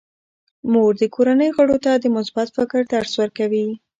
مور د کورنۍ غړو ته د مثبت فکر درس ورکوي.